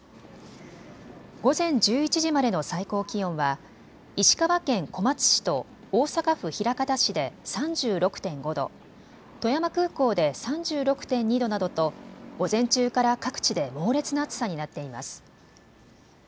午前１１時までの最高気温は石川県小松市と大阪府枚方市で３６．５度、富山空港で３６．２度などと午前中から各地で猛烈な暑さになっています。